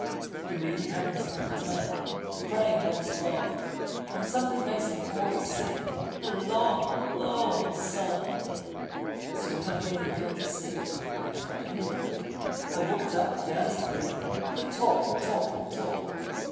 The reading happens all the time; The praying rolls along; And something makes them always sing A long, long song. So when I've nearly gone to sleep, I make my Penny walk. I walk it up and down, to hear The talk and talk and talk.